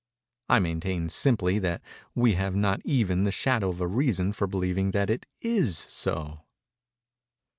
I maintain, simply, that we have not even the shadow of a reason for believing that it is so.